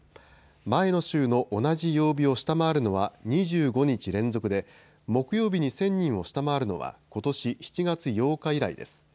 前の週の同じ曜日を下回るのは２５日連続で、木曜日に１０００人を下回るのは、ことし７月８日以来です。